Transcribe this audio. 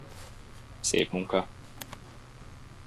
Szép munka.